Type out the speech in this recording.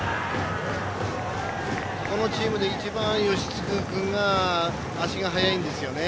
このチームで一番、吉次君が足が速いんですよね。